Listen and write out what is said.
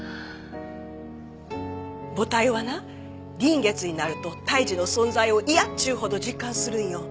母体はな臨月になると胎児の存在を嫌っちゅうほど実感するんよ。